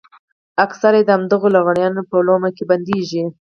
اکثره يې د همدغو لغړیانو په لومه کې بندېږي.